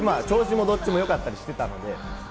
調子もどっちもよかったりしてたので。